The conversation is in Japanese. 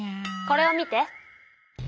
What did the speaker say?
これを見て。